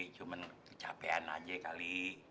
cuman capean aja kali